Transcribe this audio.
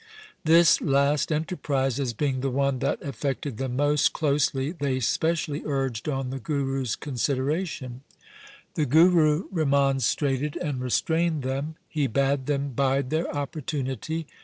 This last enterprise, as being the one that affected them most closely, they specially urged on the Guru's con sideration. The Guru remonstrated and restrained them. He bade them bide their opportunity.